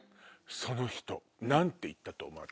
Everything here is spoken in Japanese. その人何て言ったと思う？